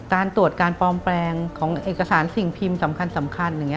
การตรวจการปลอมแปลงของเอกสารสิ่งพิมพ์สำคัญอย่างนี้